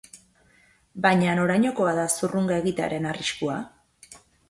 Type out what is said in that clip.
Baina norainokoa da zurrunga egitearen arriskua?